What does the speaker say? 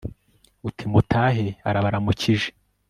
uti mutahe arabaramukije